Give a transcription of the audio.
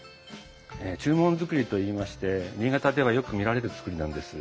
中門造りといいまして新潟ではよく見られる造りなんです。